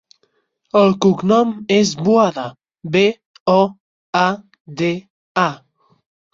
El cognom és Boada: be, o, a, de, a.